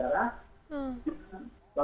tapi karena dia muntah darah